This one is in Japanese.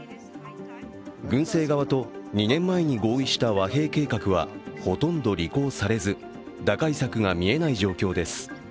軍政側と２年前に合意した和平計画はほとんど履行されず打開策が見えない状況です。